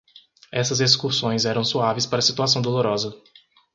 Essas excursões eram suaves para a situação dolorosa.